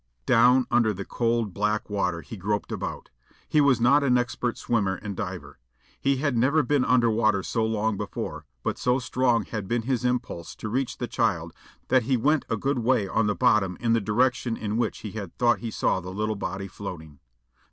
Down under the cold black water he groped about. He was not an expert swimmer and diver. He had never been under water so long before, but so strong had been his impulse to reach the child that he went a good way on the bottom in the direction in which he had thought he saw the little body floating.